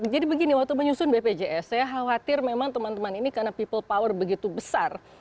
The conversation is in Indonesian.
jadi begini waktu menyusun bpjs saya khawatir memang teman teman ini karena people power begitu besar